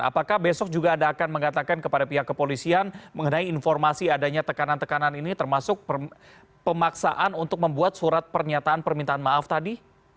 apakah besok juga anda akan mengatakan kepada pihak kepolisian mengenai informasi adanya tekanan tekanan ini termasuk pemaksaan untuk membuat surat pernyataan permintaan maaf tadi